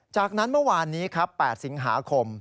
จากนั้นเมื่อวานนี้ครับ๘สิงหาคม